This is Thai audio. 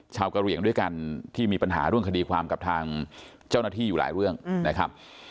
กะเหลี่ยงด้วยกันที่มีปัญหาเรื่องคดีความกับทางเจ้าหน้าที่อยู่หลายเรื่องนะครับ